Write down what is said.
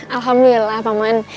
alhamdulillah pak man